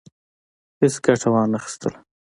هیڅ ګټه وانه خیستله.